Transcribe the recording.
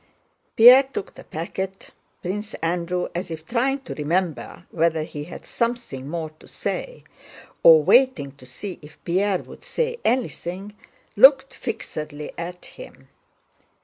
Pierre took the packet. Prince Andrew, as if trying to remember whether he had something more to say, or waiting to see if Pierre would say anything, looked fixedly at him.